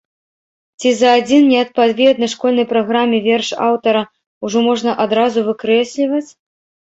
Ці за адзін неадпаведны школьнай праграме верш аўтара ўжо можна адразу выкрэсліваць?